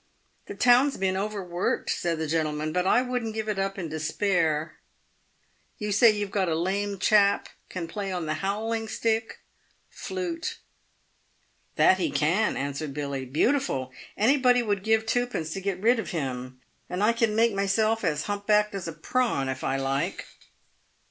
" The town's been overworked," said the gentleman, " but I wouldn't give it up in despair. You say you've got a lame chap can play on the ' howling stick ?'" (flute). "That he can," answered Billy, "beautiful! Anybody would give twopence to get rid of him. And I can make myself as hump backed as a prawn, if I like."